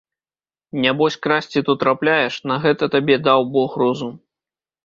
Нябось красці то трапляеш, на гэта табе даў бог розум!